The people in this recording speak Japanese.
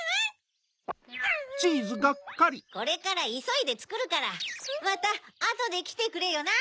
これからいそいでつくるからまたあとできてくれよな！